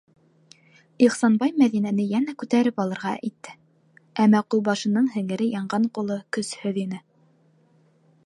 - Ихсанбай Мәҙинәне йәнә күтәреп алырға итте, әммә ҡулбашының һеңере янған ҡулы көсһөҙ ине.